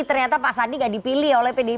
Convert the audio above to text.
ternyata pak sandi nggak dipilih oleh pdi